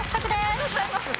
ありがとうございます。